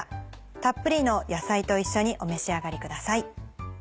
たっぷりの野菜と一緒にお召し上がりください。